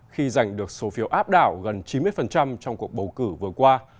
khi giành được số phiếu áp đảo gần chín mươi trong cuộc bầu cử vừa qua